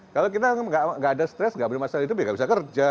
kalau kita nggak ada stres nggak ada masalah hidupnya nggak bisa kerja